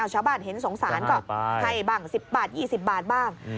ชาวบ้านเห็นสงสารก็ให้บ้าง๑๐บาท๒๐บาทบ้าง